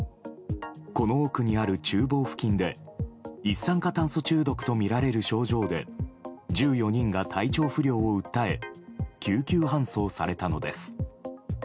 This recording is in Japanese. この奥にある厨房付近で一酸化炭素中毒とみられる症状で１４人が体調不良を訴え救急搬送されたのです。